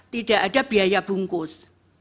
tidak ada biaya bungkus